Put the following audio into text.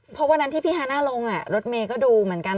เพราะวันนั้นที่พี่ฮาน่าลงรถเมย์ก็ดูเหมือนกัน